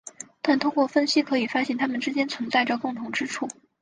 但通过分析可发现它们之间存在着共同之处。